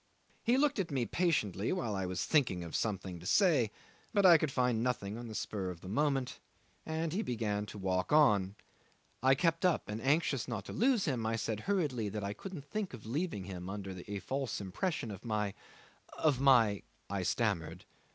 He looked at me patiently while I was thinking of something to say, but I could find nothing on the spur of the moment, and he began to walk on. I kept up, and anxious not to lose him, I said hurriedly that I couldn't think of leaving him under a false impression of my of my I stammered.